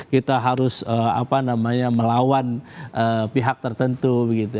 kita harus apa namanya melawan pihak tertentu begitu